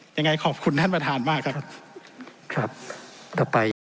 ยังไงขอบคุณท่านประธานมากครับครับต่อไป